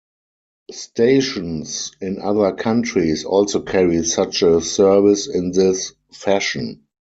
Stations in other countries also carry such a service in this fashion.